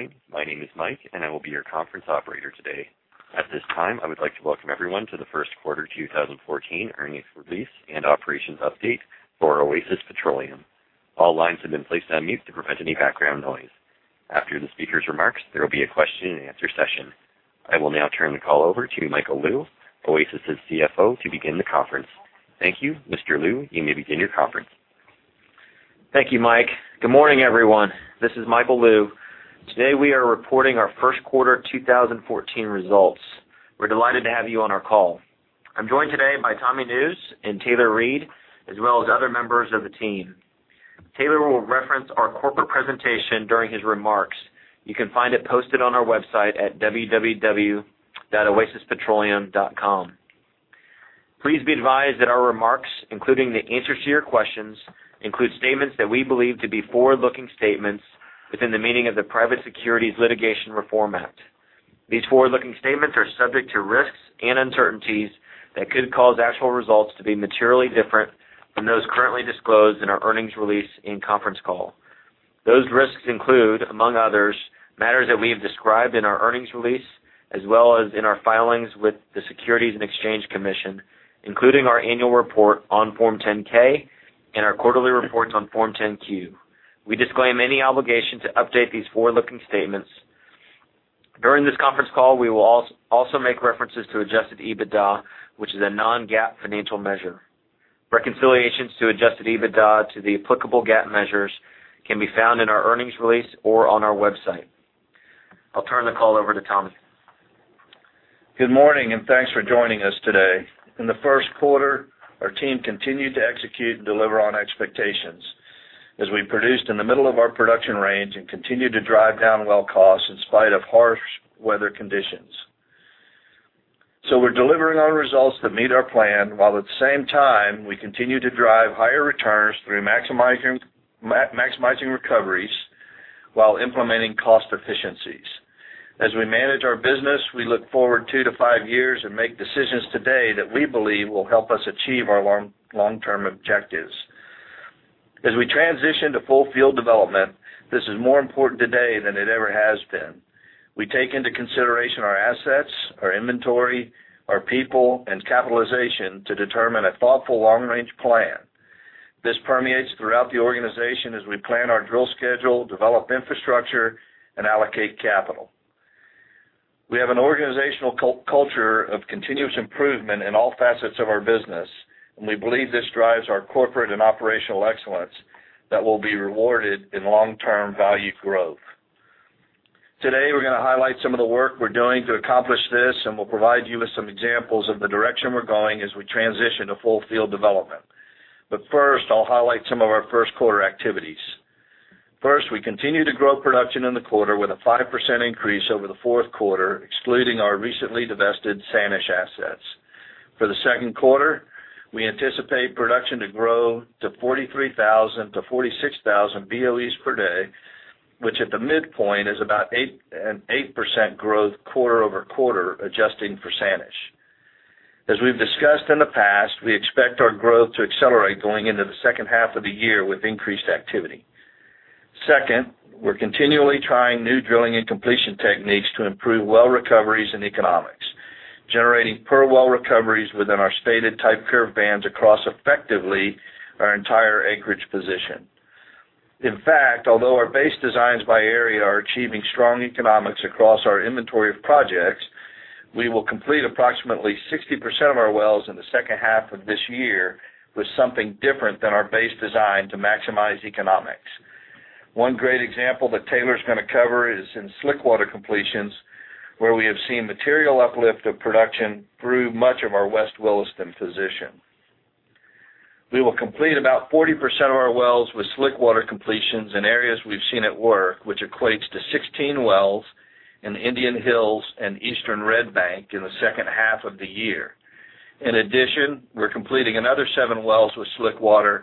Good morning. My name is Mike, and I will be your conference operator today. At this time, I would like to welcome everyone to the first quarter 2014 earnings release and operations update for Oasis Petroleum. All lines have been placed on mute to prevent any background noise. After the speaker's remarks, there will be a question and answer session. I will now turn the call over to Michael Lou, Oasis's CFO, to begin the conference. Thank you, Mr. Lou. You may begin your conference. Thank you, Mike. Good morning, everyone. This is Michael Lou. Today, we are reporting our first quarter 2014 results. We're delighted to have you on our call. I'm joined today by Tommy Nusz and Taylor Reid, as well as other members of the team. Taylor will reference our corporate presentation during his remarks. You can find it posted on our website at www.oasispetroleum.com. Please be advised that our remarks, including the answers to your questions, include statements that we believe to be forward-looking statements within the meaning of the Private Securities Litigation Reform Act. These forward-looking statements are subject to risks and uncertainties that could cause actual results to be materially different from those currently disclosed in our earnings release and conference call. Those risks include, among others, matters that we have described in our earnings release, as well as in our filings with the Securities and Exchange Commission, including our annual report on Form 10-K and our quarterly reports on Form 10-Q. We disclaim any obligation to update these forward-looking statements. During this conference call, we will also make references to adjusted EBITDA, which is a non-GAAP financial measure. Reconciliations to adjusted EBITDA to the applicable GAAP measures can be found in our earnings release or on our website. I'll turn the call over to Tommy. Good morning, and thanks for joining us today. In the first quarter, our team continued to execute and deliver on expectations as we produced in the middle of our production range and continued to drive down well costs in spite of harsh weather conditions. We're delivering our results that meet our plan, while at the same time, we continue to drive higher returns through maximizing recoveries while implementing cost efficiencies. As we manage our business, we look forward two to five years and make decisions today that we believe will help us achieve our long-term objectives. As we transition to full field development, this is more important today than it ever has been. We take into consideration our assets, our inventory, our people, and capitalization to determine a thoughtful long-range plan. This permeates throughout the organization as we plan our drill schedule, develop infrastructure, and allocate capital. We have an organizational culture of continuous improvement in all facets of our business, we believe this drives our corporate and operational excellence that will be rewarded in long-term value growth. Today, we are going to highlight some of the work we are doing to accomplish this, we will provide you with some examples of the direction we are going as we transition to full field development. First, I will highlight some of our first quarter activities. First, we continue to grow production in the quarter with a 5% increase over the fourth quarter, excluding our recently divested Sanish assets. For the second quarter, we anticipate production to grow to 43,000 to 46,000 BOE per day, which at the midpoint is about an 8% growth quarter-over-quarter, adjusting for Sanish. As we have discussed in the past, we expect our growth to accelerate going into the second half of the year with increased activity. Second, we are continually trying new drilling and completion techniques to improve well recoveries and economics, generating per well recoveries within our stated type curve bands across effectively our entire acreage position. In fact, although our base designs by area are achieving strong economics across our inventory of projects, we will complete approximately 60% of our wells in the second half of this year with something different than our base design to maximize economics. One great example that Taylor is going to cover is in slickwater completions, where we have seen material uplift of production through much of our West Williston position. We will complete about 40% of our wells with slickwater completions in areas we have seen it work, which equates to 16 wells in Indian Hills and Eastern Red Bank in the second half of the year. In addition, we are completing another seven wells with slickwater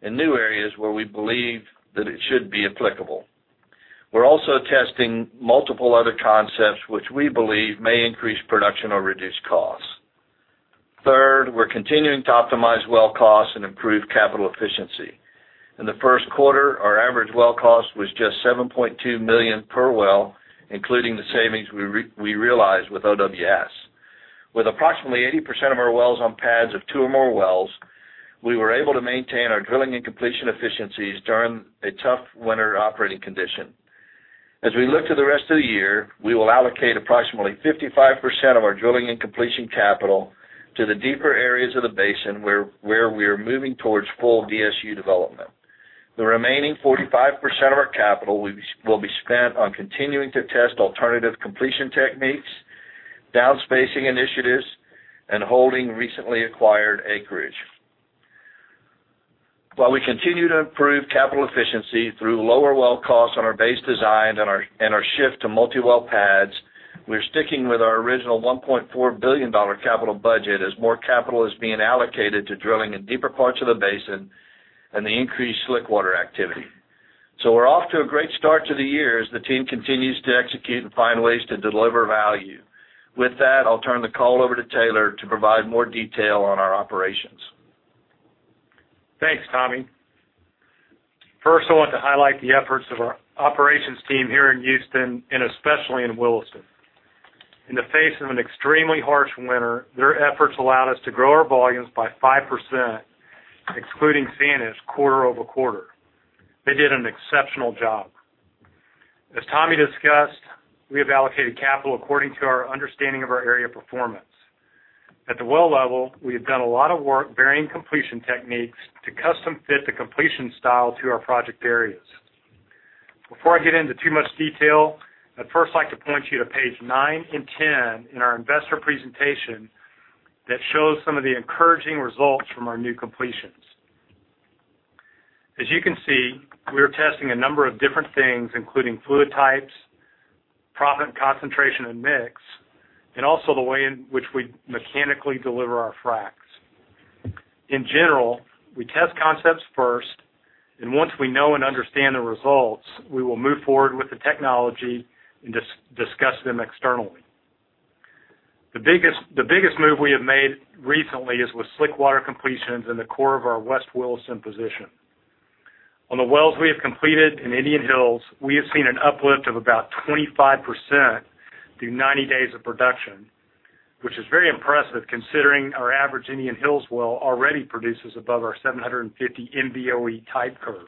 in new areas where we believe that it should be applicable. We are also testing multiple other concepts which we believe may increase production or reduce costs. Third, we are continuing to optimize well costs and improve capital efficiency. In the first quarter, our average well cost was just $7.2 million per well, including the savings we realized with OWS. With approximately 80% of our wells on pads of two or more wells, we were able to maintain our drilling and completion efficiencies during a tough winter operating condition. As we look to the rest of the year, we will allocate approximately 55% of our drilling and completion capital to the deeper areas of the basin, where we are moving towards full DSU development. The remaining 45% of our capital will be spent on continuing to test alternative completion techniques, downspacing initiatives, and holding recently acquired acreage. While we continue to improve capital efficiency through lower well costs on our base design and our shift to multi-well pads, we are sticking with our original $1.4 billion capital budget as more capital is being allocated to drilling in deeper parts of the basin and the increased slickwater activity. We are off to a great start to the year as the team continues to execute and find ways to deliver value. With that, I will turn the call over to Taylor to provide more detail on our operations. Tommy, first, I want to highlight the efforts of our operations team here in Houston, and especially in Williston. In the face of an extremely harsh winter, their efforts allowed us to grow our volumes by 5%, excluding Sanish, quarter-over-quarter. They did an exceptional job. As Tommy discussed, we have allocated capital according to our understanding of our area performance. At the well level, we have done a lot of work varying completion techniques to custom fit the completion style to our project areas. Before I get into too much detail, I'd first like to point you to page nine and 10 in our investor presentation that shows some of the encouraging results from our new completions. As you can see, we are testing a number of different things, including fluid types, proppant concentration and mix, and also the way in which we mechanically deliver our fracs. In general, we test concepts first, once we know and understand the results, we will move forward with the technology and discuss them externally. The biggest move we have made recently is with slickwater completions in the core of our West Williston position. On the wells we have completed in Indian Hills, we have seen an uplift of about 25% through 90 days of production, which is very impressive considering our average Indian Hills well already produces above our 750 MBOE type curve.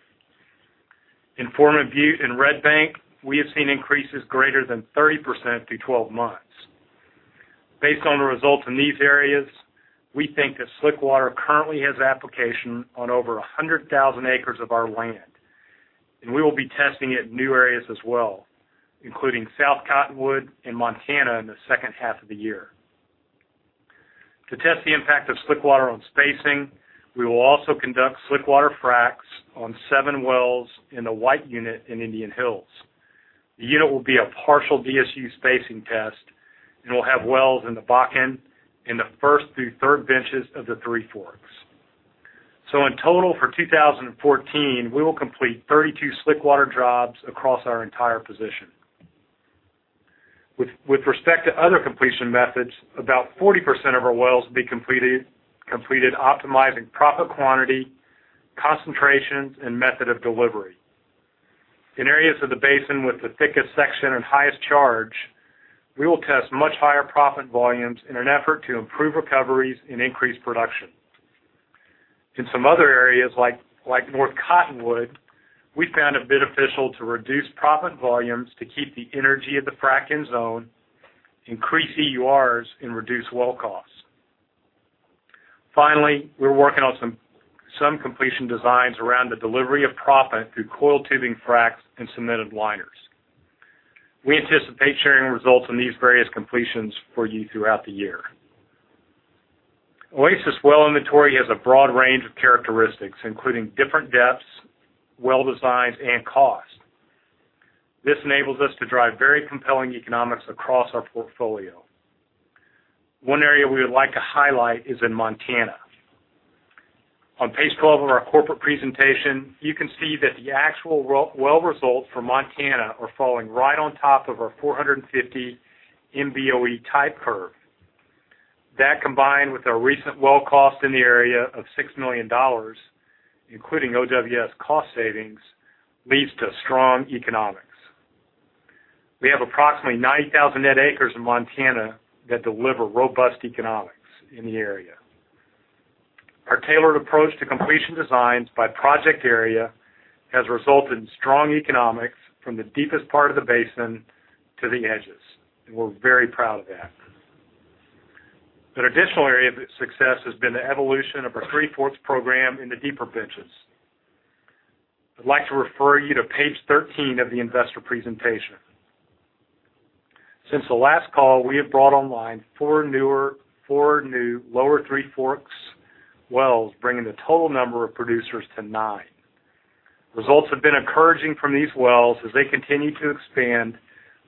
In Foreman Butte and Red Bank, we have seen increases greater than 30% through 12 months. Based on the results in these areas, we think that slickwater currently has application on over 100,000 acres of our land, and we will be testing it in new areas as well, including South Cottonwood and Montana in the second half of the year. To test the impact of slickwater on spacing, we will also conduct slickwater fracs on seven wells in the White Unit in Indian Hills. The unit will be a partial DSU spacing test and will have wells in the Bakken in the first through third benches of the Three Forks. In total for 2014, we will complete 32 slickwater jobs across our entire position. With respect to other completion methods, about 40% of our wells will be completed optimizing proppant quantity, concentrations, and method of delivery. In areas of the basin with the thickest section and highest charge, we will test much higher proppant volumes in an effort to improve recoveries and increase production. In some other areas like North Cottonwood, we found it beneficial to reduce proppant volumes to keep the energy of the frac in zone, increase EURs, and reduce well costs. Finally, we're working on some completion designs around the delivery of proppant through coiled tubing fracs and cemented liners. We anticipate sharing results on these various completions for you throughout the year. Oasis well inventory has a broad range of characteristics, including different depths, well designs, and cost. This enables us to drive very compelling economics across our portfolio. One area we would like to highlight is in Montana. On page 12 of our corporate presentation, you can see that the actual well results for Montana are falling right on top of our 450 MBOE type curve. That, combined with our recent well cost in the area of $6 million, including OWS cost savings, leads to strong economics. We have approximately 90,000 net acres in Montana that deliver robust economics in the area. Our tailored approach to completion designs by project area has resulted in strong economics from the deepest part of the basin to the edges. We're very proud of that. An additional area of success has been the evolution of our Three Forks program in the deeper benches. I'd like to refer you to page 13 of the investor presentation. Since the last call, we have brought online four new lower Three Forks wells, bringing the total number of producers to nine. Results have been encouraging from these wells as they continue to expand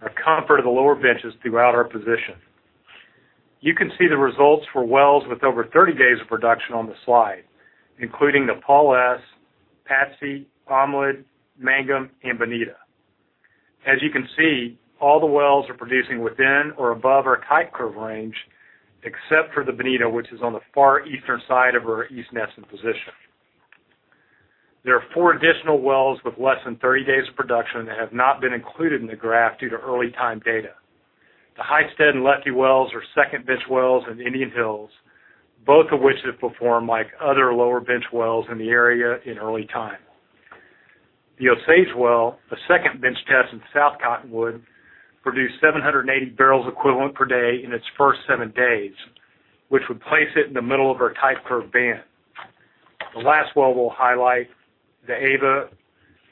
our comfort of the lower benches throughout our position. You can see the results for wells with over 30 days of production on the slide, including the Paul S, Patsy, Omelet, Mangum, and Bonita. As you can see, all the wells are producing within or above our type curve range, except for the Bonita, which is on the far eastern side of our East Nesson position. There are four additional wells with less than 30 days of production that have not been included in the graph due to early time data. The Hystad and Lucky wells are second bench wells in Indian Hills, both of which have performed like other lower bench wells in the area in Early Time. The Osage well, a second bench test in South Cottonwood, produced 780 barrels equivalent per day in its first seven days, which would place it in the middle of our type curve band. The last well we'll highlight, the Ava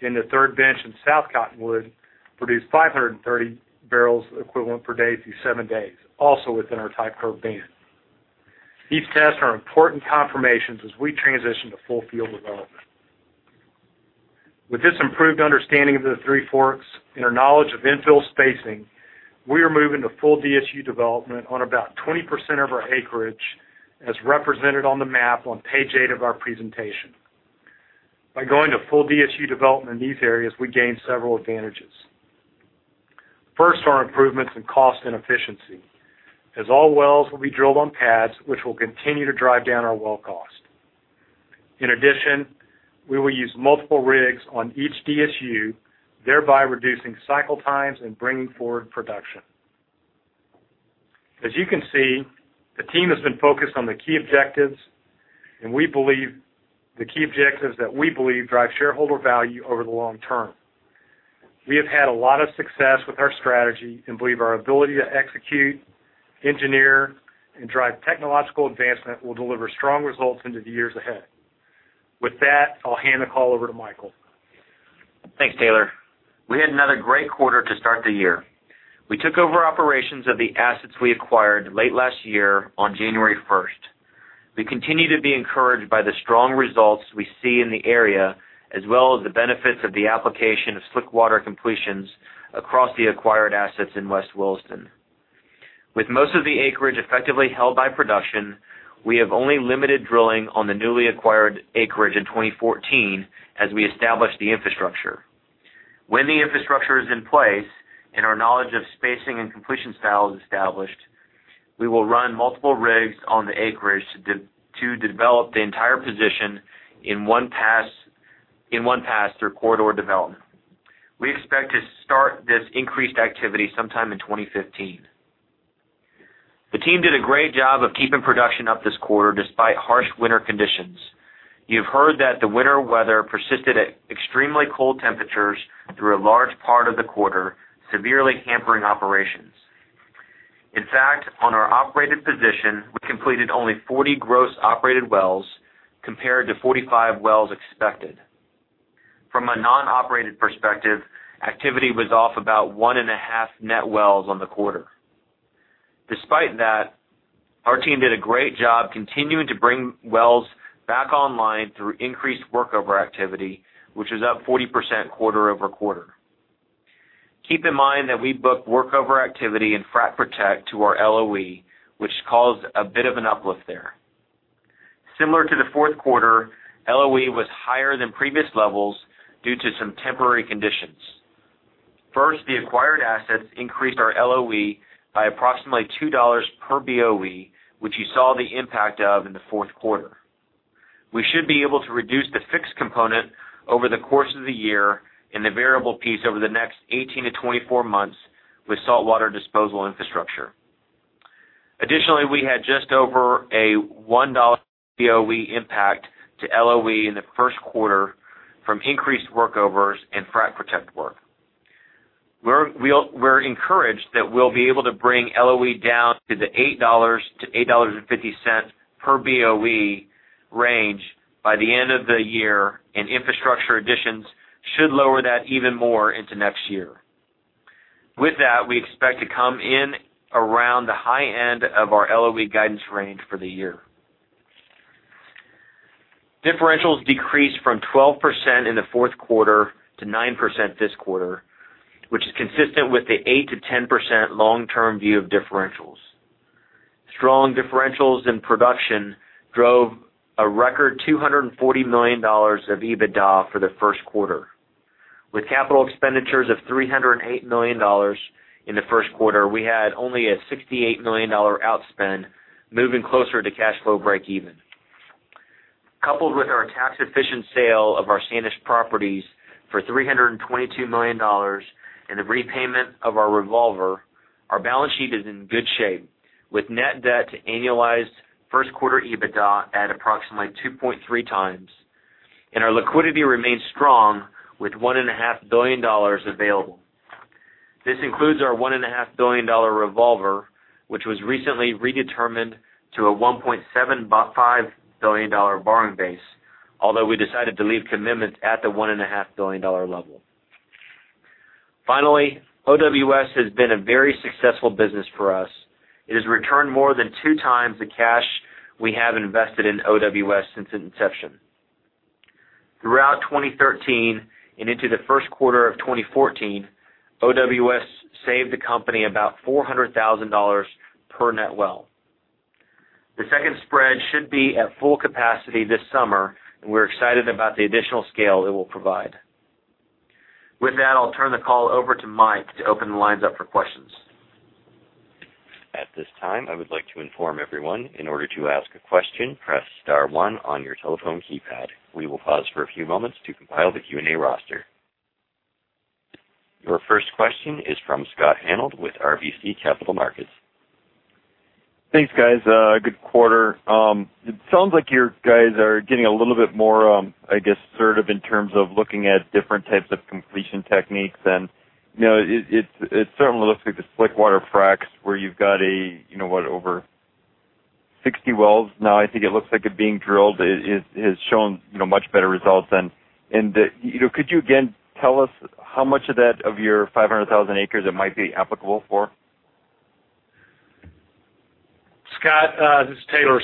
in the third bench in South Cottonwood, produced 530 barrels equivalent per day through seven days, also within our type curve band. These tests are important confirmations as we transition to full field development. With this improved understanding of the Three Forks and our knowledge of infill spacing, we are moving to full DSU development on about 20% of our acreage, as represented on the map on page eight of our presentation. By going to full DSU development in these areas, we gain several advantages. First are improvements in cost and efficiency, as all wells will be drilled on pads, which will continue to drive down our well cost. In addition, we will use multiple rigs on each DSU, thereby reducing cycle times and bringing forward production. As you can see, the team has been focused on the key objectives that we believe drive shareholder value over the long term. We have had a lot of success with our strategy and believe our ability to execute, engineer, and drive technological advancement will deliver strong results into the years ahead. With that, I'll hand the call over to Michael. Thanks, Taylor. We had another great quarter to start the year. We took over operations of the assets we acquired late last year on January 1st. We continue to be encouraged by the strong results we see in the area, as well as the benefits of the application of slickwater completions across the acquired assets in West Williston. With most of the acreage effectively held by production, we have only limited drilling on the newly acquired acreage in 2014 as we established the infrastructure. When the infrastructure is in place and our knowledge of spacing and completion style is established, we will run multiple rigs on the acreage to develop the entire position in one pass through corridor development. We expect to start this increased activity sometime in 2015. The team did a great job of keeping production up this quarter, despite harsh winter conditions. You've heard that the winter weather persisted at extremely cold temperatures through a large part of the quarter, severely hampering operations. In fact, on our operated position, we completed only 40 gross operated wells compared to 45 wells expected. From a non-operated perspective, activity was off about 1.5 net wells on the quarter. Despite that, our team did a great job continuing to bring wells back online through increased workover activity, which is up 40% quarter-over-quarter. Keep in mind that we book workover activity and frac protect to our LOE, which caused a bit of an uplift there. Similar to the fourth quarter, LOE was higher than previous levels due to some temporary conditions. First, the acquired assets increased our LOE by approximately $2 per BOE, which you saw the impact of in the fourth quarter. We should be able to reduce the fixed component over the course of the year and the variable piece over the next 18-24 months with saltwater disposal infrastructure. Additionally, we had just over a $1 BOE impact to LOE in the first quarter from increased workovers and frac protect work. We're encouraged that we'll be able to bring LOE down to the $8-$8.50 per BOE range by the end of the year, and infrastructure additions should lower that even more into next year. With that, we expect to come in around the high end of our LOE guidance range for the year. Differentials decreased from 12% in the fourth quarter to 9% this quarter, which is consistent with the 8%-10% long-term view of differentials. Strong differentials in production drove a record $240 million of EBITDA for the first quarter. With capital expenditures of $308 million in the first quarter, we had only a $68 million outspend, moving closer to cash flow breakeven. Coupled with our tax-efficient sale of our Sanish properties for $322 million and the repayment of our revolver, our balance sheet is in good shape with net debt to annualized first quarter EBITDA at approximately 2.3 times, and our liquidity remains strong with $1.5 billion available. This includes our $1.5 billion revolver, which was recently redetermined to a $1.75 billion borrowing base, although we decided to leave commitments at the $1.5 billion level. Finally, OWS has been a very successful business for us. It has returned more than 2 times the cash we have invested in OWS since its inception. Throughout 2013 and into the first quarter of 2014, OWS saved the company about $400,000 per net well. The second spread should be at full capacity this summer. We're excited about the additional scale it will provide. With that, I'll turn the call over to Mike to open the lines up for questions. At this time, I would like to inform everyone, in order to ask a question, press star 1 on your telephone keypad. We will pause for a few moments to compile the Q&A roster. Your first question is from Scott Hanold with RBC Capital Markets. Thanks, guys. Good quarter. It sounds like you guys are getting a little bit more, I guess, assertive in terms of looking at different types of completion techniques. It certainly looks like the slickwater fracs where you've got over 60 wells now. I think it looks like it being drilled. It has shown much better results. Could you again tell us how much of your 500,000 acres it might be applicable for? Scott, this is Taylor.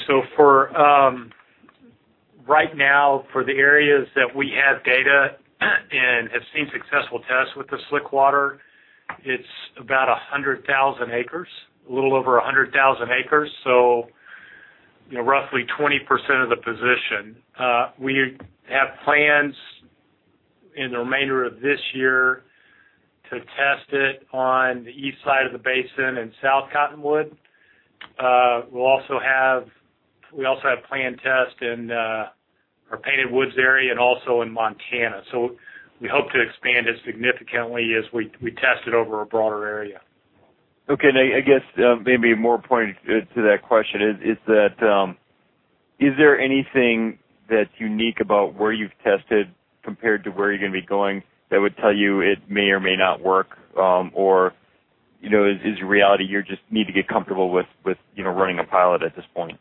Right now for the areas that we have data and have seen successful tests with the slickwater, it's a little over 100,000 acres. Roughly 20% of the position. We have plans in the remainder of this year to test it on the east side of the basin in South Cottonwood. We also have a planned test in our Painted Woods area and also in Montana. We hope to expand as significantly as we test it over a broader area. Okay. I guess maybe more pointed to that question is that, is there anything that's unique about where you've tested compared to where you're going to be going that would tell you it may or may not work? Or is it a reality you just need to get comfortable with running a pilot at this point?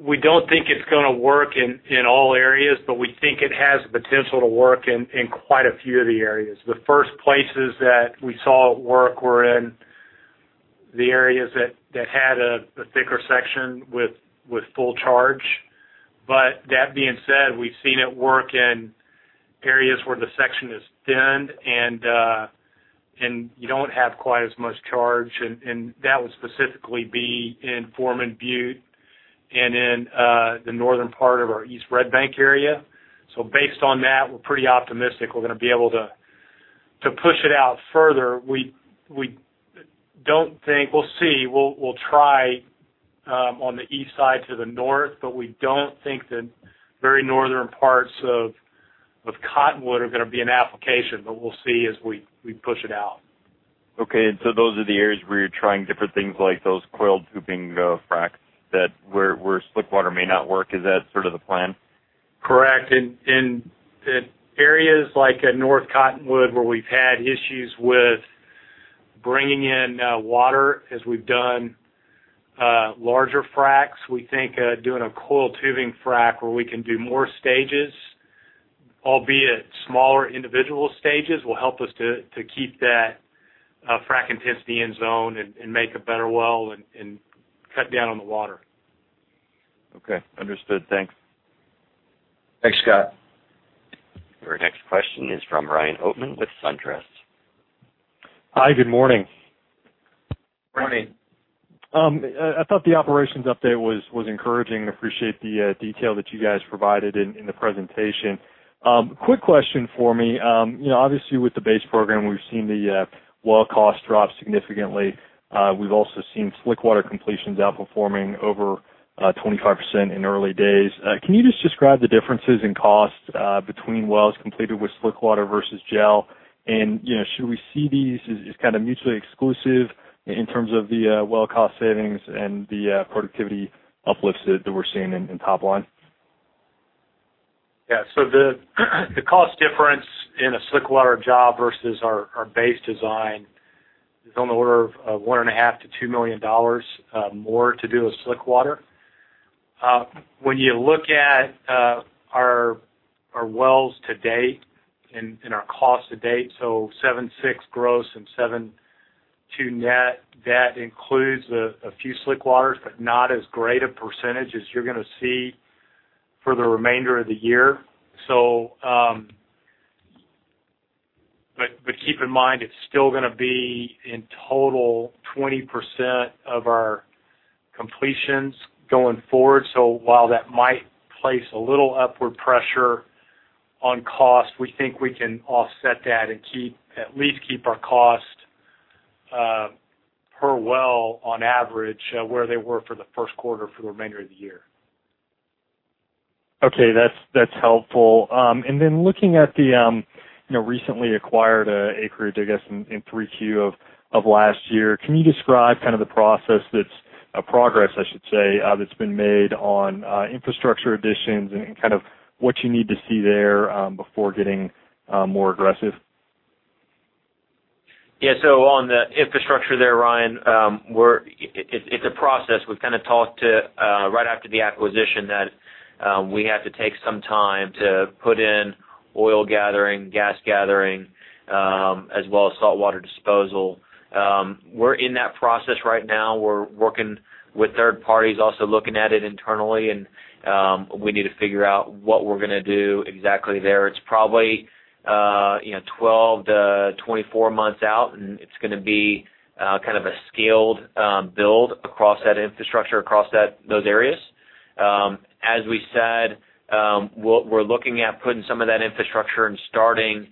We don't think it's going to work in all areas. We think it has the potential to work in quite a few of the areas. The first places that we saw it work were in the areas that had a thicker section with full charge. That being said, we've seen it work in areas where the section is thinned, and you don't have quite as much charge, and that would specifically be in Foreman Butte and in the northern part of our East Red Bank area. Based on that, we're pretty optimistic we're going to be able to push it out further. We'll see. We'll try on the east side to the north. We don't think the very northern parts of Cottonwood are going to be an application, but we'll see as we push it out. Okay. Those are the areas where you're trying different things like those coiled tubing fracs where slickwater may not work. Is that sort of the plan? Correct. In areas like at North Cottonwood, where we've had issues with bringing in water as we've done larger fracs, we think doing a coiled tubing frac where we can do more stages, albeit smaller individual stages, will help us to keep that frac intensity in zone and make a better well and cut down on the water. Okay. Understood. Thanks. Thanks, Scott. Your next question is from Ryan Oatman with SunTrust. Hi, good morning. Morning. I thought the operations update was encouraging. Appreciate the detail that you guys provided in the presentation. Quick question for me. Obviously, with the base program, we've seen the well cost drop significantly. We've also seen slickwater completions outperforming over 25% in the early days. Can you just describe the differences in cost between wells completed with slickwater versus gel? Should we see these as mutually exclusive in terms of the well cost savings and the productivity uplifts that we're seeing in top line? The cost difference in a slickwater job versus our base design is on the order of $1.5 million-$2 million more to do a slickwater. When you look at our wells to date and our cost to date, 7.6 gross and 7.2 net, that includes a few slickwaters, but not as great a percentage as you're going to see for the remainder of the year. Keep in mind, it's still going to be, in total, 20% of our completions going forward. While that might place a little upward pressure on cost, we think we can offset that and at least keep our cost per well, on average, where they were for the first quarter for the remainder of the year. That's helpful. Looking at the recently acquired acreage, I guess, in Q3 of last year, can you describe the process that's progress, I should say, that's been made on infrastructure additions and what you need to see there before getting more aggressive? On the infrastructure there, Ryan, it's a process. We've talked to, right after the acquisition, that we have to take some time to put in oil gathering, gas gathering, as well as saltwater disposal. We're in that process right now. We're working with third parties, also looking at it internally. We need to figure out what we're going to do exactly there. It's probably 12-24 months out. It's going to be a scaled build across that infrastructure, across those areas. As we said, we're looking at putting some of that infrastructure and starting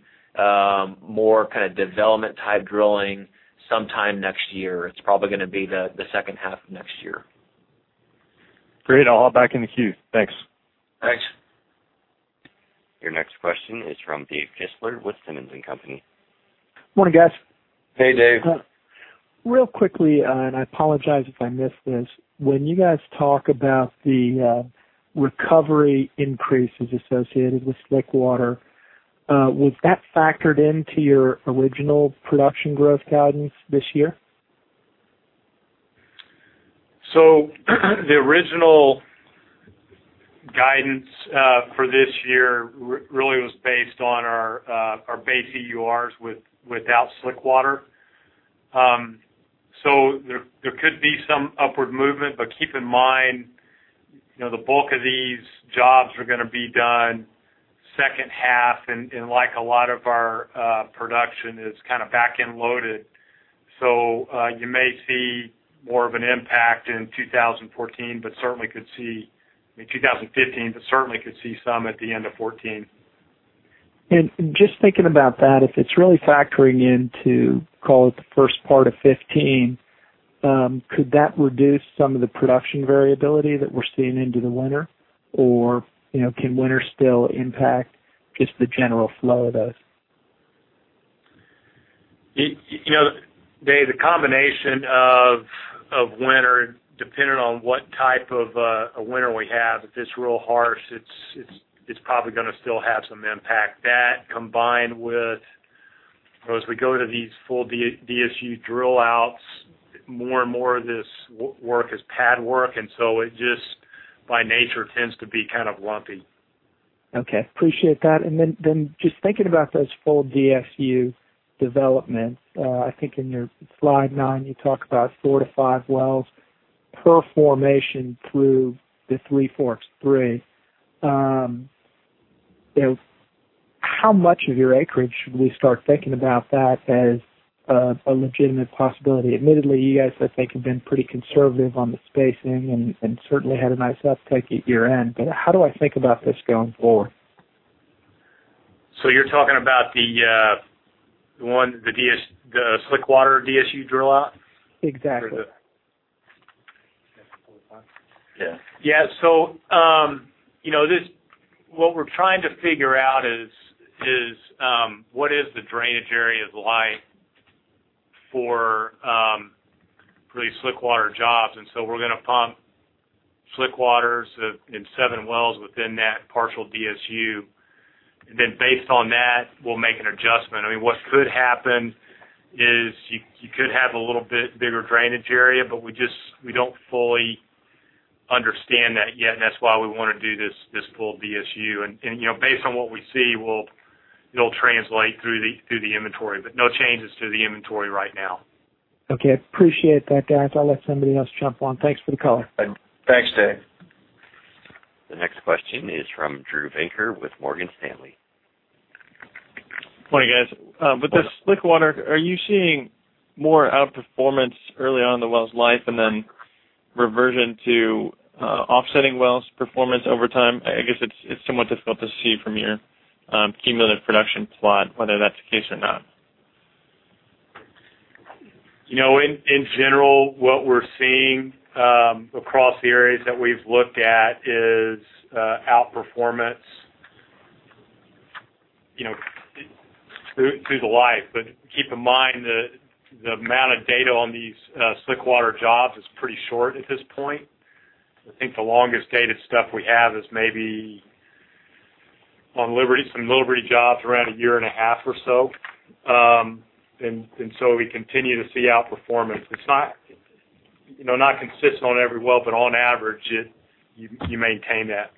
more development type drilling sometime next year. It's probably going to be the second half of next year. Great. I'll hop back in the queue. Thanks. Thanks. Your next question is from Dave Kistler with Simmons & Company. Morning, guys. Hey, Dave. Real quickly, I apologize if I missed this. When you guys talk about the recovery increases associated with slickwater, was that factored into your original production growth guidance this year? The original guidance for this year really was based on our base EURs without slickwater. There could be some upward movement, but keep in mind the bulk of these jobs are going to be done second half and like a lot of our production, is back-end loaded. You may see more of an impact in 2015, but certainly could see some at the end of 2014. Just thinking about that, if it's really factoring into, call it the first part of 2015, could that reduce some of the production variability that we're seeing into the winter, or can winter still impact just the general flow of those? Dave, the combination of winter, depending on what type of a winter we have. If it's real harsh, it's probably going to still have some impact. That, combined with as we go to these full DSU drill outs, more and more of this work is pad work, it just, by nature, tends to be lumpy. Okay. Appreciate that. Just thinking about those full DSU developments, I think in your slide nine, you talk about four to five wells per formation through the Three Forks 3. How much of your acreage should we start thinking about that as a legitimate possibility? Admittedly, you guys, I think, have been pretty conservative on the spacing and certainly had a nice uptake at year-end, how do I think about this going forward? You're talking about the slickwater DSU drill out? Exactly. Yeah. What we're trying to figure out is, what is the drainage area of the life for these slickwater jobs? We're going to pump slickwaters in seven wells within that partial DSU. Based on that, we'll make an adjustment. What could happen is you could have a little bit bigger drainage area, we don't fully understand that yet, that's why we want to do this full DSU. Based on what we see, it'll translate through the inventory, no changes to the inventory right now. Okay. Appreciate that, guys. I'll let somebody else jump on. Thanks for the color. Thanks, Dave. The next question is from Drew Venker with Morgan Stanley. Morning, guys. With the slickwater, are you seeing more outperformance early on in the well's life and then reversion to offsetting wells performance over time? I guess it's somewhat difficult to see from your cumulative production plot whether that's the case or not. In general, what we're seeing across the areas that we've looked at is outperformance through the life. Keep in mind, the amount of data on these slickwater jobs is pretty short at this point. I think the longest dated stuff we have is maybe on some Liberty jobs, around a year and a half or so. We continue to see outperformance. It's not consistent on every well, but on average, you maintain that.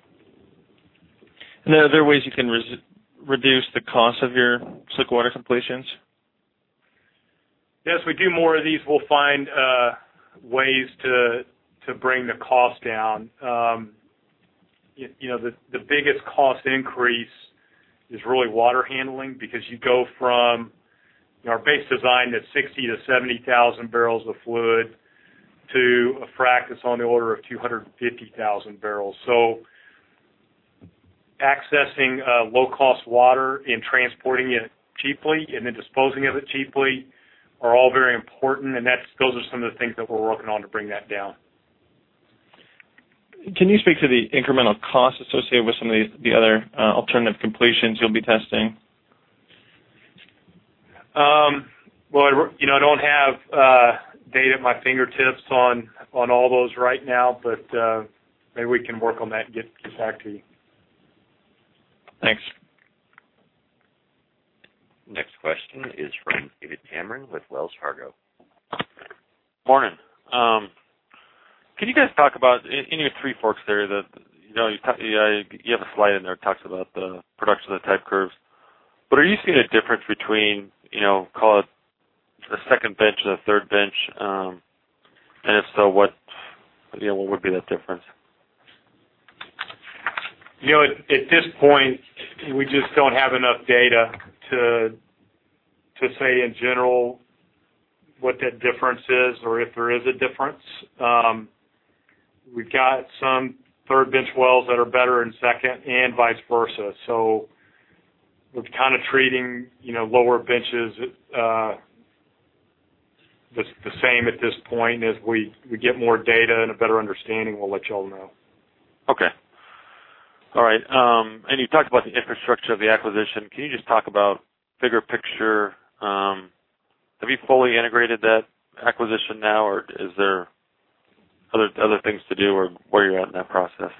Are there ways you can reduce the cost of your slickwater completions? Yes, we do more of these. We'll find ways to bring the cost down. The biggest cost increase is really water handling, because you go from our base design that's 60,000 to 70,000 barrels of fluid, to a frac that's on the order of 250,000 barrels. Accessing low-cost water and transporting it cheaply and then disposing of it cheaply are all very important, and those are some of the things that we're working on to bring that down. Can you speak to the incremental cost associated with some of the other alternative completions you'll be testing? Well, I don't have data at my fingertips on all those right now, but maybe we can work on that and get this back to you. Thanks. Next question is from David Tameron with Wells Fargo. Morning. Can you guys talk about, in your Three Forks area, you have a slide in there that talks about the production of the type curves. Are you seeing a difference between, call it the second bench or the third bench? If so, what would be that difference? At this point, we just don't have enough data to say in general what that difference is or if there is a difference. We've got some third bench wells that are better in second and vice versa. We're treating lower benches the same at this point. As we get more data and a better understanding, we'll let you all know. Okay. All right. You talked about the infrastructure of the acquisition. Can you just talk about bigger picture? Have you fully integrated that acquisition now, or is there other things to do or where you're at in that process?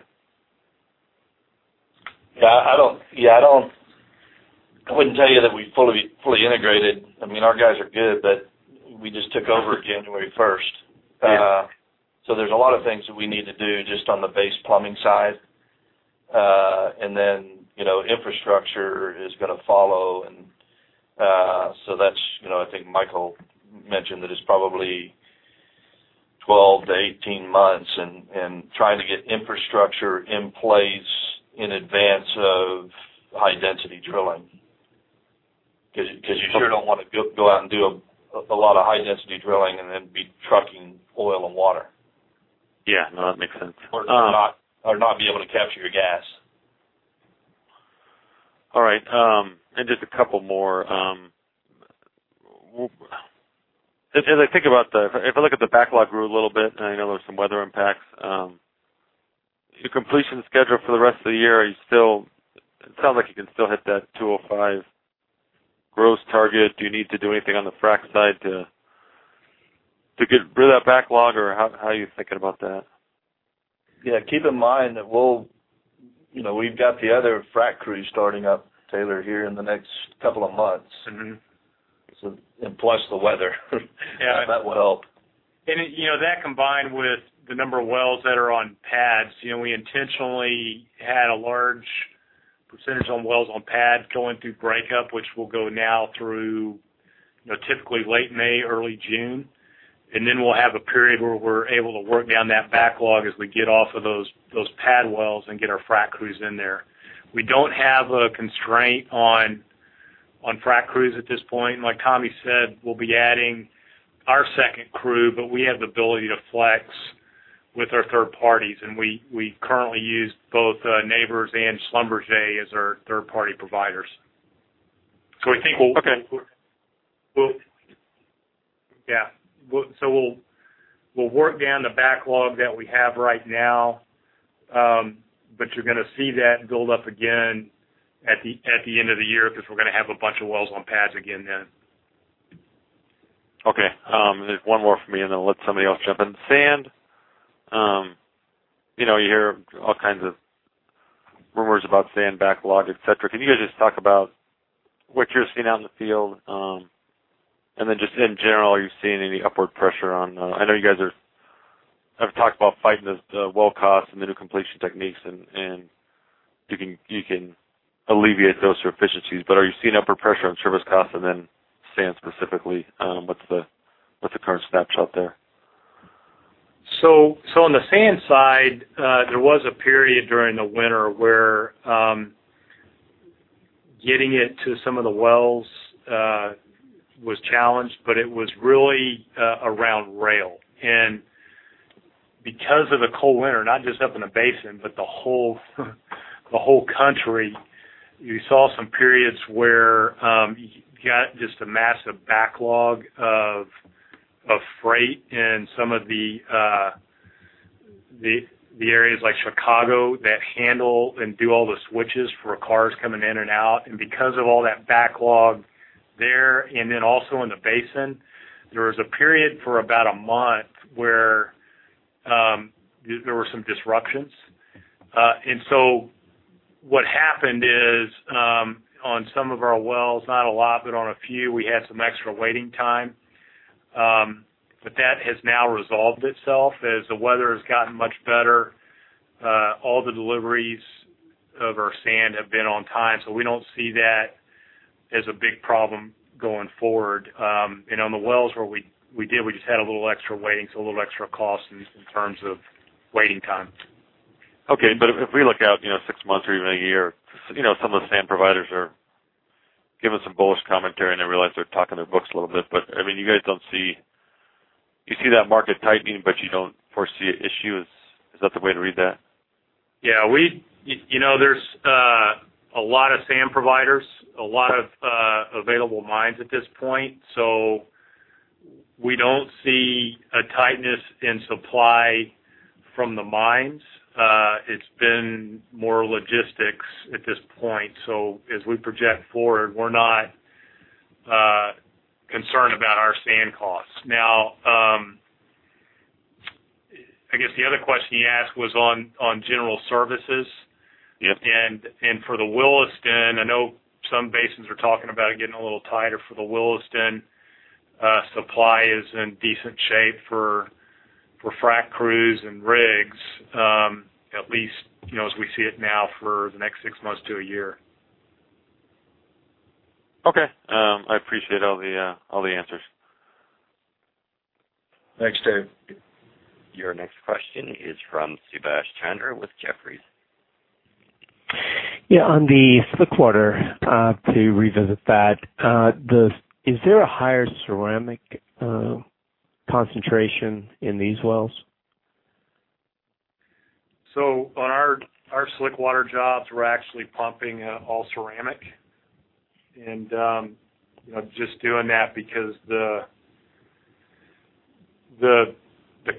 Yeah. I wouldn't tell you that we've fully integrated. Our guys are good, but we just took over January 1st. Yeah. There's a lot of things that we need to do just on the base plumbing side Infrastructure is going to follow. I think Michael mentioned that it's probably 12 to 18 months, and trying to get infrastructure in place in advance of high density drilling. You sure don't want to go out and do a lot of high density drilling and then be trucking oil and water. Yeah. No, that makes sense. Not be able to capture your gas. All right, just a couple more. If I look at the backlog grew a little bit, I know there were some weather impacts, your completion schedule for the rest of the year, it sounds like you can still hit that 205 gross target. Do you need to do anything on the frack side to get rid of that backlog, or how are you thinking about that? Yeah, keep in mind that we've got the other frack crew starting up, Taylor, here in the next couple of months. Plus the weather. Yeah. That will help. That combined with the number of wells that are on pads, we intentionally had a large percentage on wells on pads going through break-up, which will go now through typically late May, early June. Then we'll have a period where we're able to work down that backlog as we get off of those pad wells and get our frack crews in there. We don't have a constraint on frack crews at this point. Like Tommy said, we'll be adding our second crew, but we have the ability to flex with our third parties, and we currently use both Nabors and Schlumberger as our third-party providers. I think we'll Okay. Yeah. We'll work down the backlog that we have right now. You're going to see that build up again at the end of the year, because we're going to have a bunch of wells on pads again then. Okay. There's one more from me, then I'll let somebody else jump in. Sand. You hear all kinds of rumors about sand backlog, et cetera. Can you guys just talk about what you're seeing out in the field? Just in general, are you seeing any upward pressure on I know you guys have talked about fighting the well cost and the new completion techniques, and you can alleviate those through efficiencies. Are you seeing upward pressure on service costs? Sand specifically, what's the current snapshot there? On the sand side, there was a period during the winter where getting it to some of the wells was challenged. It was really around rail. Because of the cold winter, not just up in the basin, but the whole country, you saw some periods where you got just a massive backlog of freight in some of the areas like Chicago, that handle and do all the switches for cars coming in and out. Because of all that backlog there and also in the basin, there was a period for about a month where there were some disruptions. What happened is, on some of our wells, not a lot, but on a few, we had some extra waiting time. That has now resolved itself. As the weather has gotten much better, all the deliveries of our sand have been on time. We don't see that as a big problem going forward. On the wells where we did, we just had a little extra waiting, so a little extra cost in terms of waiting times. Okay. If we look out six months or even a year, some of the sand providers are giving some bullish commentary. I realize they're talking their books a little bit. You guys, you see that market tightening, you don't foresee an issue. Is that the way to read that? Yeah. There's a lot of sand providers, a lot of available mines at this point. We don't see a tightness in supply from the mines. It's been more logistics at this point. As we project forward, we're not concerned about our sand costs. I guess the other question you asked was on general services. Yep. For the Williston, I know some basins are talking about it getting a little tighter for the Williston. Supply is in decent shape for frack crews and rigs, at least as we see it now, for the next six months to a year. Okay. I appreciate all the answers. Thanks, Dave. Your next question is from Subash Chandra with Jefferies. Yeah. On the slickwater, to revisit that, is there a higher ceramic concentration in these wells? On our slickwater jobs, we're actually pumping all ceramic. Doing that because the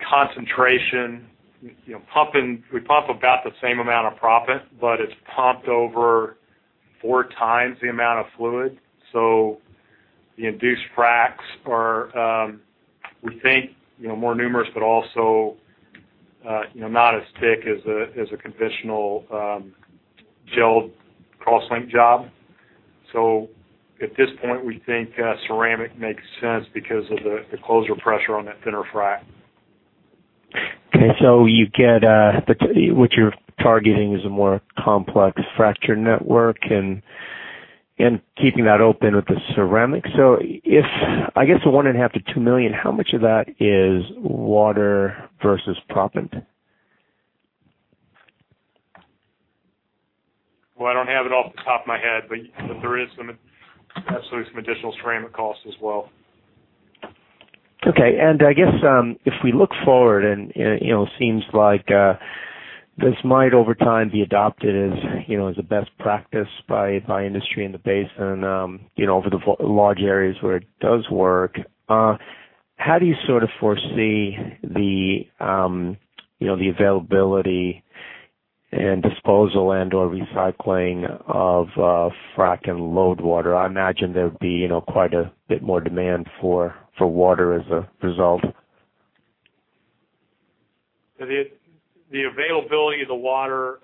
concentration. We pump about the same amount of proppant, but it's pumped over four times the amount of fluid. The induced fracs are, we think, more numerous, but also not as thick as a conventional gelled crosslink job. At this point, we think ceramic makes sense because of the closer pressure on that thinner frac. Okay. What you're targeting is a more complex fracture network and keeping that open with the ceramic. I guess the one and a half to two million, how much of that is water versus proppant? Well, I don't have it off the top of my head, but there is absolutely some additional ceramic costs as well. Okay. I guess, if we look forward, and it seems like this might, over time, be adopted as a best practice by industry in the basin, over the large areas where it does work. How do you foresee the availability and disposal and/or recycling of frac and load water? I imagine there would be quite a bit more demand for water as a result. The availability of the water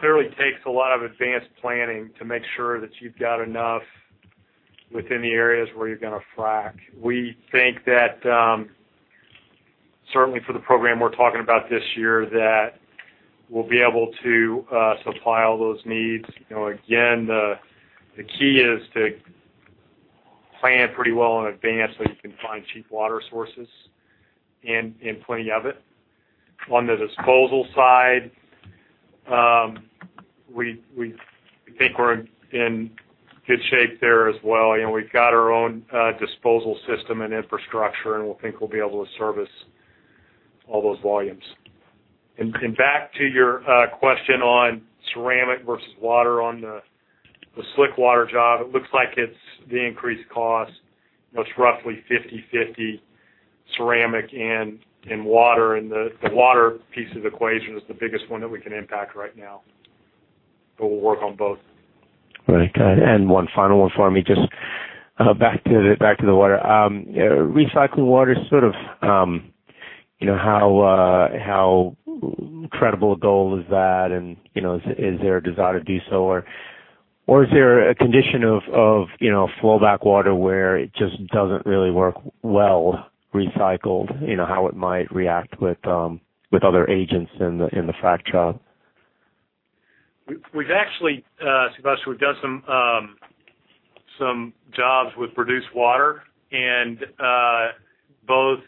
clearly takes a lot of advanced planning to make sure that you've got enough within the areas where you're going to frac. We think that, certainly for the program we're talking about this year, that we'll be able to supply all those needs. Again, the key is to plan pretty well in advance so you can find cheap water sources and plenty of it. On the disposal side, we think we're in good shape there as well. We've got our own disposal system and infrastructure, and we think we'll be able to service all those volumes. Back to your question on ceramic versus water on the slickwater job, it looks like it's the increased cost. It's roughly 50/50 ceramic and water, and the water piece of the equation is the biggest one that we can impact right now. We'll work on both. Right. One final one for me, just back to the water. Recycling water, how credible a goal is that, and is there a desire to do so? Is there a condition of fallback water where it just doesn't really work well recycled, how it might react with other agents in the frac job? Subash, we've done some jobs with produced water and both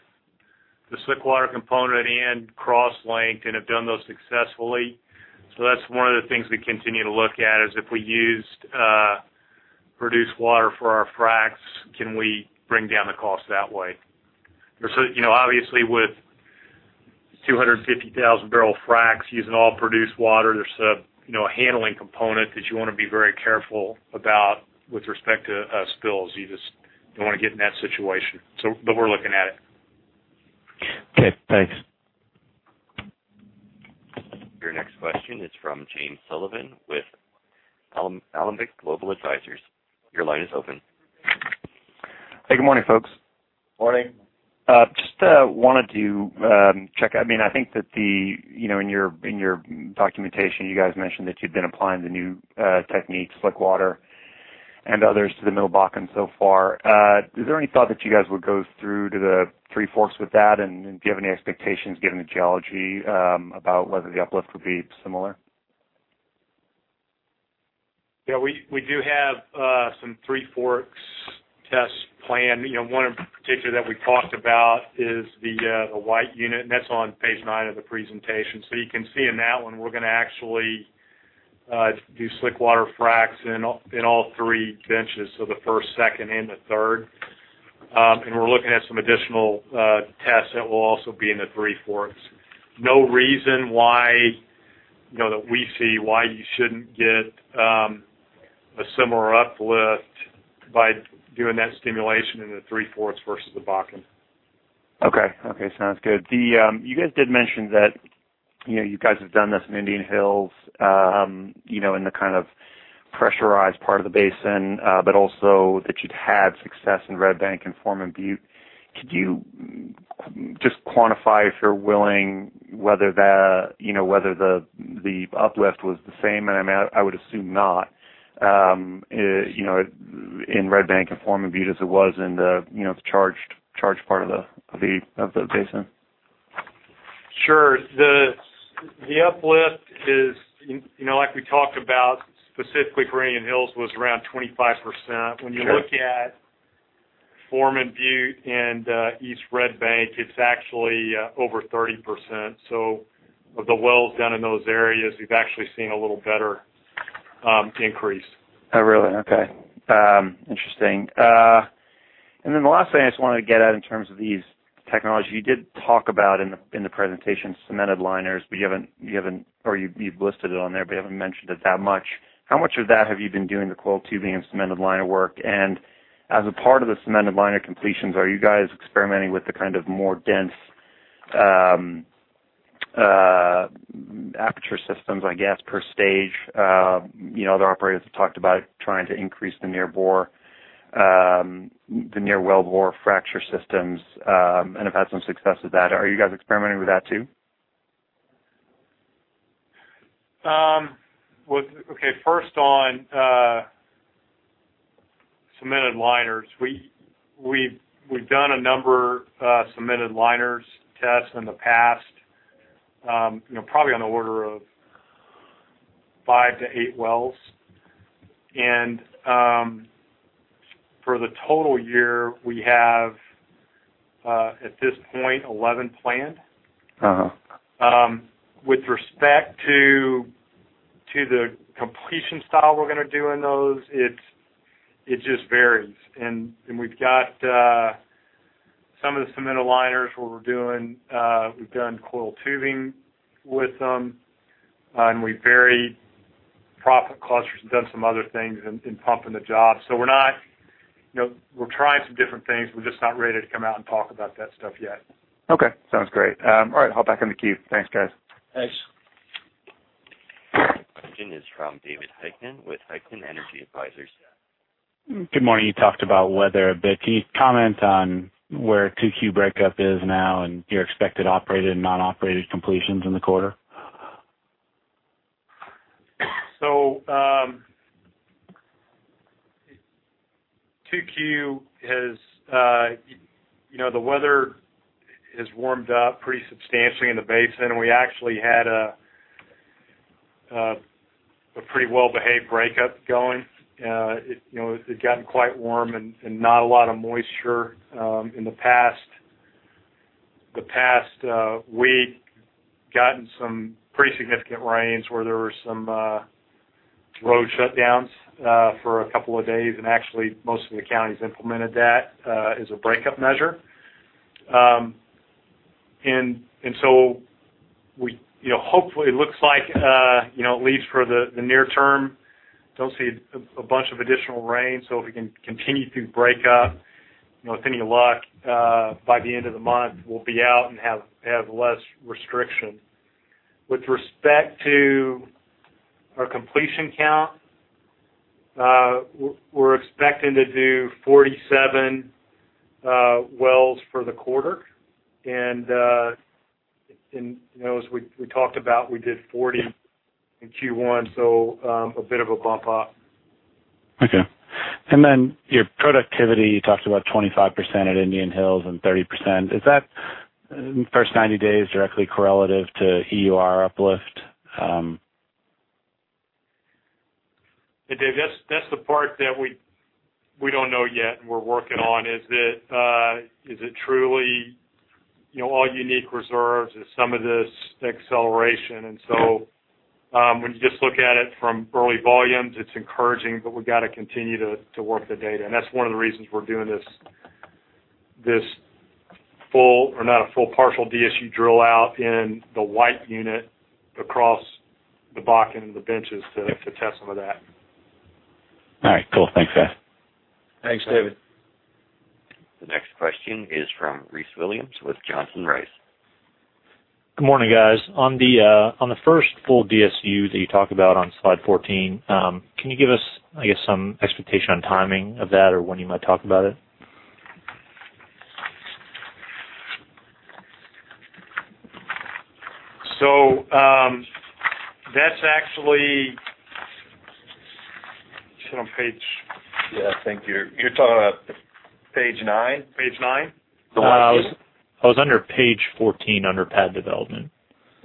the slickwater component and cross-linked, and have done those successfully. That's one of the things we continue to look at is if we used produced water for our fracs, can we bring down the cost that way? Obviously, with 250,000-barrel fracs using all produced water, there's a handling component that you want to be very careful about with respect to spills. You just don't want to get in that situation. We're looking at it. Okay, thanks. Your next question is from James Sullivan with Alembic Global Advisors. Your line is open. Hey, good morning, folks. Morning. Just wanted to check. I think that in your documentation, you guys mentioned that you'd been applying the new techniques, slickwater and others, to the Middle Bakken so far. Is there any thought that you guys would go through to the Three Forks with that, and do you have any expectations, given the geology, about whether the uplift would be similar? Yeah, we do have some Three Forks tests planned. One in particular that we talked about is the White Unit, and that's on page nine of the presentation. You can see in that one, we're going to actually do slickwater fracs in all three benches, so the first, second, and the third. We're looking at some additional tests that will also be in the Three Forks. No reason why that we see why you shouldn't get a similar uplift by doing that stimulation in the Three Forks versus the Bakken. Okay. Sounds good. You guys did mention that you guys have done this in Indian Hills, in the kind of pressurized part of the basin, also that you'd had success in Red Bank and Foreman Butte. Could you just quantify, if you're willing, whether the uplift was the same, and I would assume not, in Red Bank and Foreman Butte as it was in the charged part of the basin? Sure. The uplift is, like we talked about, specifically Indian Hills was around 25%. Sure. When you look at Foreman Butte and East Red Bank, it's actually over 30%. Of the wells done in those areas, we've actually seen a little better increase. Oh, really? Okay. Interesting. The last thing I just wanted to get at in terms of these technologies, you did talk about in the presentation cemented liners, or you've listed it on there, but you haven't mentioned it that much. How much of that have you been doing the coiled tubing and cemented liner work? As a part of the cemented liner completions, are you guys experimenting with the more dense aperture systems, I guess, per stage? The operators have talked about trying to increase the near wellbore fracture systems, and have had some success with that. Are you guys experimenting with that too? Okay. First on cemented liners. We've done a number of cemented liners tests in the past, probably on the order of five to eight wells. For the total year, we have, at this point, 11 planned. With respect to the completion style we're going to do in those, it just varies. We've got some of the cemented liners where we've done coiled tubing with them, and we vary proppant clusters and done some other things in pumping the job. We're trying some different things. We're just not ready to come out and talk about that stuff yet. Okay. Sounds great. All right, I'll hop back into queue. Thanks, guys. Thanks. The next question is from David Heikkinen with Heikkinen Energy Advisors. Good morning. You talked about weather a bit. Can you comment on where 2Q breakup is now and your expected operated and non-operated completions in the quarter? 2Q, the weather has warmed up pretty substantially in the basin, and we actually had a pretty well-behaved breakup going. It had gotten quite warm and not a lot of moisture. In the past week, gotten some pretty significant rains where there were some road shutdowns for a couple of days, and actually, most of the counties implemented that as a breakup measure. Hopefully, it looks like, at least for the near term, don't see a bunch of additional rain. If we can continue to break up, with any luck, by the end of the month, we'll be out and have less restriction. With respect to our completion count, we're expecting to do 47 wells for the quarter. As we talked about, we did 40 in Q1, so a bit of a bump up. Okay. Your productivity, you talked about 25% at Indian Hills and 30%. Is that first 90 days directly correlative to EUR uplift? Hey, Dave. That's the part that we don't know yet, and we're working on, is it truly all unique reserves? Is some of this acceleration? When you just look at it from early volumes, it's encouraging, but we've got to continue to work the data. That's one of the reasons we're doing this full or not a full, partial DSU drill out in the White unit across the Bakken and the benches to test some of that. All right, cool. Thanks, guys. Thanks, David. The next question is from Ronald E. Mills with Johnson Rice. Good morning, guys. On the first full DSU that you talk about on slide 14, can you give us, I guess, some expectation on timing of that or when you might talk about it? That's actually Is that on page Yeah, I think you're talking about page nine. Page nine? I was under page 14, under pad development.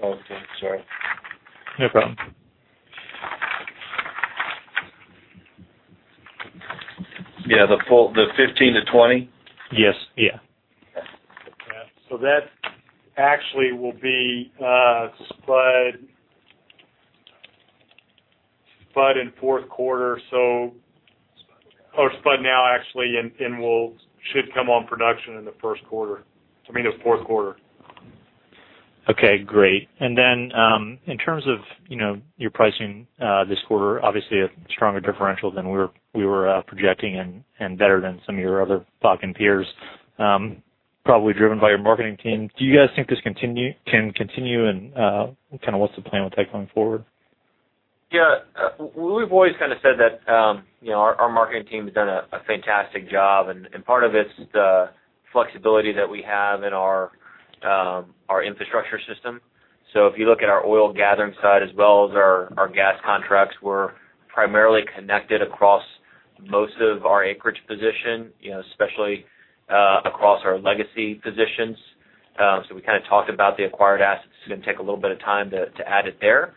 Okay, sorry. No problem. Yeah, the 15 to 20? Yes. Yeah. That actually will be spud in fourth quarter, or spud now actually and should come on production in the first quarter. I mean, the fourth quarter. Okay, great. In terms of your pricing this quarter, obviously a stronger differential than we were projecting and better than some of your other Bakken peers, probably driven by your marketing team. Do you guys think this can continue, and what's the plan with that going forward? Yeah. We've always said that our marketing team has done a fantastic job, part of it's the flexibility that we have in our infrastructure system. If you look at our oil gathering side as well as our gas contracts, we're primarily connected across most of our acreage position, especially across our legacy positions. We talked about the acquired assets. It's going to take a little bit of time to add it there.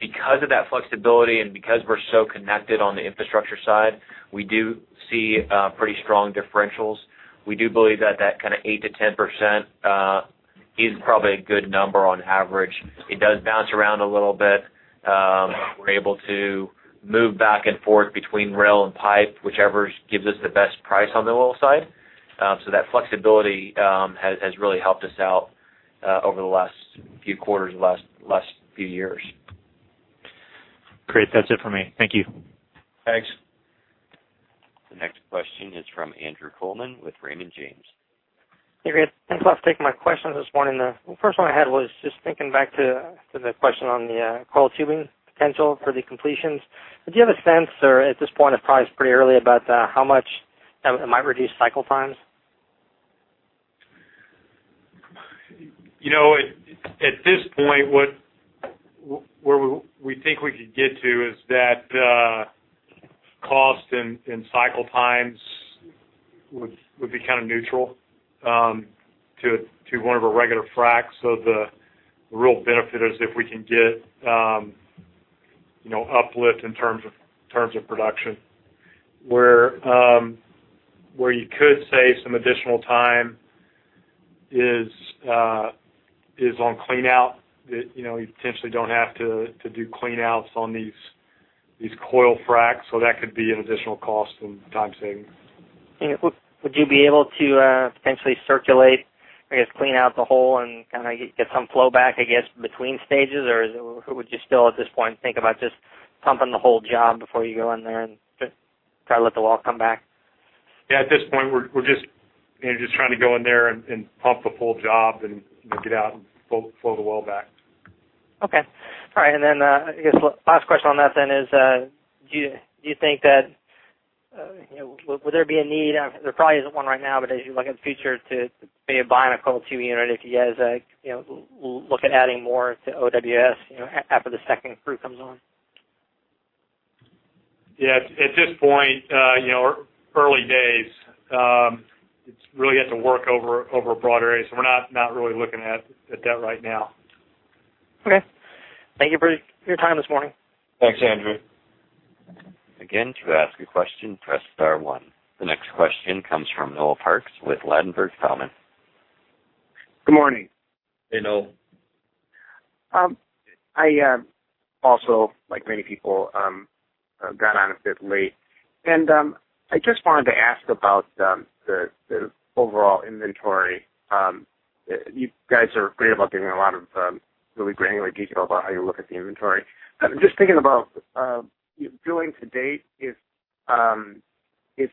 Because of that flexibility and because we're so connected on the infrastructure side, we do see pretty strong differentials. We do believe that that 8%-10% is probably a good number on average. It does bounce around a little bit. We're able to move back and forth between rail and pipe, whichever gives us the best price on the oil side. That flexibility has really helped us out over the last few quarters, the last few years. Great. That's it for me. Thank you. Thanks. The next question is from Andrew Coleman with Raymond James. Hey, guys. Thanks a lot for taking my questions this morning. The first one I had was just thinking back to the question on the coil tubing potential for the completions. Do you have a sense, or at this point, it's probably pretty early, about how much it might reduce cycle times? At this point, where we think we could get to is that cost and cycle times would be neutral to one of our regular fracs. The real benefit is if we can get uplift in terms of production. Where you could save some additional time is on cleanout. You potentially don't have to do cleanouts on these coil fracs, so that could be an additional cost and time saving. Would you be able to potentially circulate, I guess, clean out the hole and get some flow back, I guess, between stages? Would you still, at this point, think about just pumping the whole job before you go in there and just try to let the well come back? Yeah, at this point, we're just trying to go in there and pump the full job and get out and flow the well back. Okay. All right, then I guess last question on that then is, would there be a need, there probably isn't one right now, but as you look at the future to maybe buying a Coyle 2 unit, if you guys look at adding more to OWS after the second crew comes on? Yeah. At this point, early days, it really has to work over a broad area. We're not really looking at that right now. Thank you for your time this morning. Thanks, Andrew. To ask a question, press star one. The next question comes from Noel Parks with Ladenburg Thalmann. Good morning. Hey, Noel. I also, like many people, got on a bit late. I just wanted to ask about the overall inventory. You guys are great about giving a lot of really granular detail about how you look at the inventory. I'm just thinking about drilling to date, if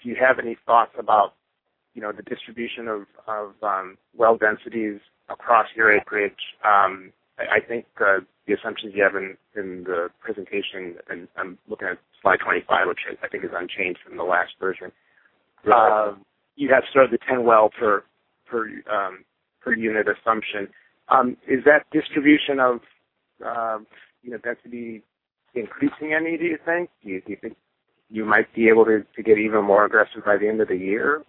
you have any thoughts about the distribution of well densities across your acreage. I think the assumptions you have in the presentation, and I'm looking at slide 25, which I think is unchanged from the last version. You have sort of the 10 well per unit assumption. Is that distribution of density increasing any, do you think? Do you think you might be able to get even more aggressive by the end of the year?,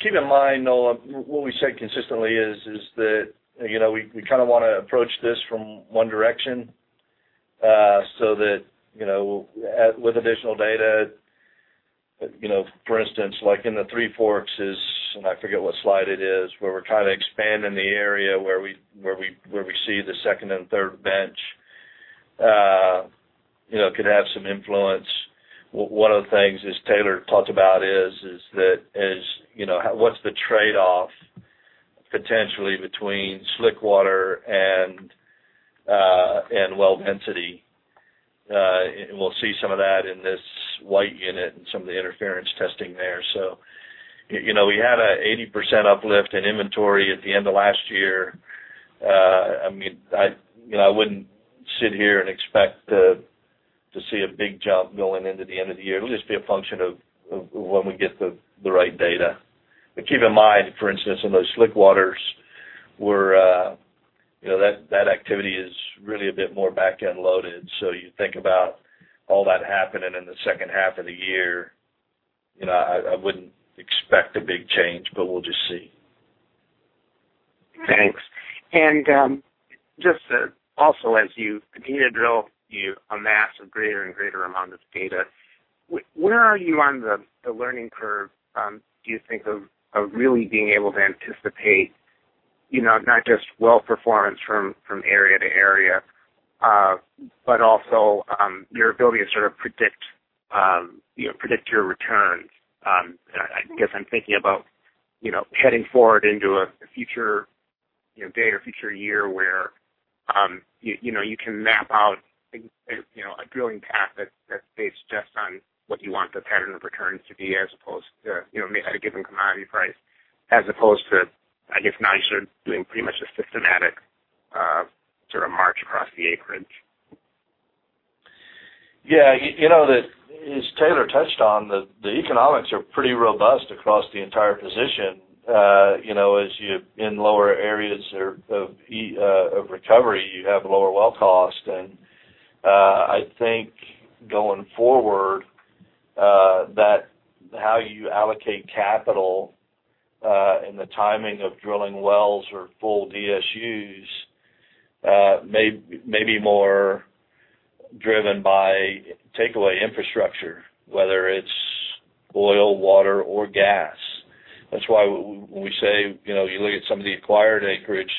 keep in mind, Noel, what we've said consistently is that we want to approach this from one direction, that with additional data, for instance, like in the Three Forks is, I forget what slide it is, where we're expanding the area where we see the second and third bench, could have some influence. One of the things, as Taylor Reid talked about is, what's the trade-off potentially between slickwater and well density? We'll see some of that in this White Unit and some of the interference testing there. We had an 80% uplift in inventory at the end of last year. I wouldn't sit here and expect to see a big jump going into the end of the year. It'll just be a function of when we get the right data. KeeWellp in mind, for instance, on those slickwaters, that activity is really a bit more backend loaded. You think about all that happening in the second half of the year, I wouldn't expect a big change, we'll just see. Thanks. Just also as you continue to drill, you amass a greater and greater amount of data. Where are you on the learning curve, do you think, of really being able to anticipate, not just well performance from area to area, but also your ability to sort of predict your returns? I guess I'm thinking about heading forward into a future day or future year where you can map out a drilling path that's based just on what you want the pattern of returns to be as opposed to at a given commodity price, as opposed to, I guess now you're sort of doing pretty much a systematic sort of march across the acreage. Yeah. As Taylor touched on, the economics are pretty robust across the entire position. In lower areas of recovery, you have lower well cost. I think going forward, that how you allocate capital and the timing of drilling wells or full DSUs may be more driven by takeaway infrastructure, whether it's oil, water, or gas. That's why when we say, you look at some of the acquired acreage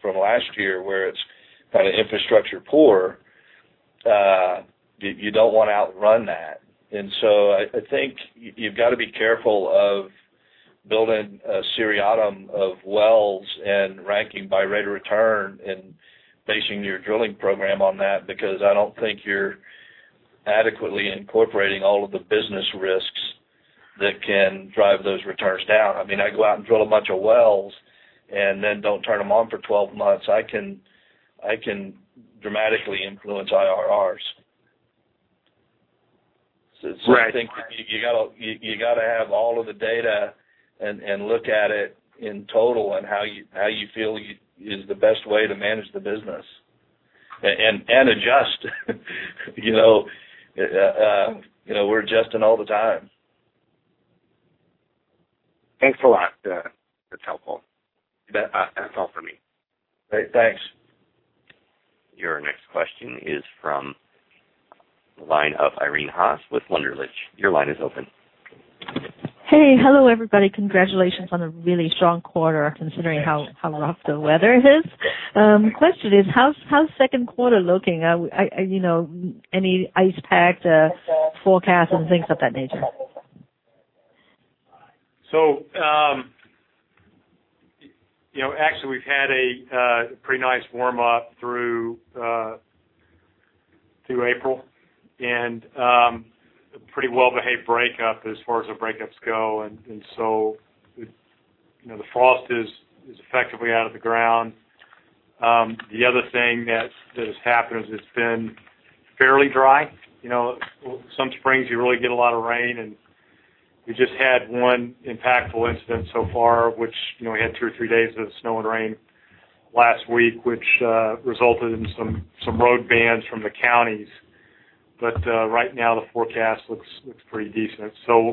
from last year where it's kind of infrastructure poor, you don't want to outrun that. I think you've got to be careful of building a seriatim of wells and ranking by rate of return and basing your drilling program on that, because I don't think you're adequately incorporating all of the business risks that can drive those returns down. I go out and drill a bunch of wells Don't turn them on for 12 months. I can dramatically influence IRRs. Right. I think you got to have all of the data and look at it in total and how you feel is the best way to manage the business. Adjust. We're adjusting all the time. Thanks a lot. That's helpful. That's all for me. Great. Thanks. Your next question is from the line of Irene Haas with Wunderlich. Your line is open. Hey. Hello, everybody. Congratulations on a really strong quarter, considering how rough the weather is. Question is, how's second quarter looking? Any ice pack forecast and things of that nature? Actually we've had a pretty nice warm-up through April and pretty well-behaved breakup as far as the breakups go. The frost is effectively out of the ground. The other thing that has happened is it's been fairly dry. Some springs you really get a lot of rain, and we just had one impactful incident so far, which we had two or three days of snow and rain last week, which resulted in some road bans from the counties. Right now the forecast looks pretty decent. We're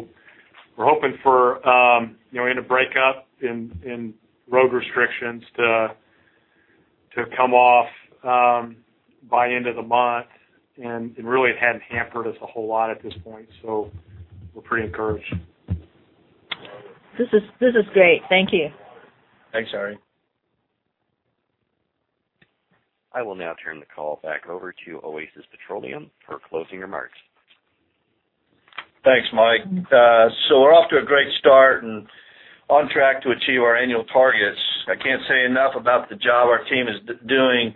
hoping for an end of breakup in road restrictions to come off by end of the month. Really, it hadn't hampered us a whole lot at this point, so we're pretty encouraged. This is great. Thank you. Thanks, Irene. I will now turn the call back over to Oasis Petroleum for closing remarks. Thanks, Mike. We're off to a great start and on track to achieve our annual targets. I can't say enough about the job our team is doing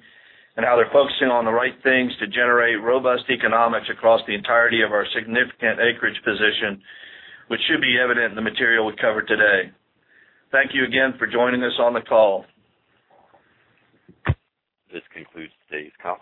and how they're focusing on the right things to generate robust economics across the entirety of our significant acreage position, which should be evident in the material we covered today. Thank you again for joining us on the call. This concludes today's conference.